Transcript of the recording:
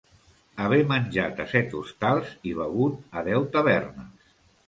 Haver menjat a set hostals i begut a deu tavernes.